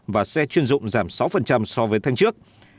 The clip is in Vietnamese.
và xe chuyên dụng giảm sáu so với tháng trước